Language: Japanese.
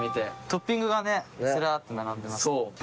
トッピングがねつらっと並んでます。